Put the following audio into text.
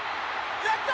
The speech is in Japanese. やった！